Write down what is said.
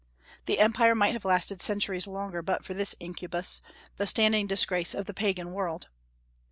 The empire might have lasted centuries longer but for this incubus, the standing disgrace of the Pagan world.